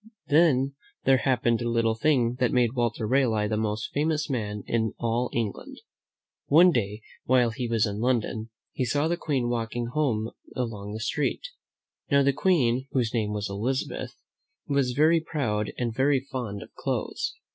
Then there happened a little thing that made Walter Raleigh the most famous man in all England. One day, while he was in London, he saw the Queen walking along the street. Now the Queen, whose name was Elizabeth, was very proud and very fond of clothes.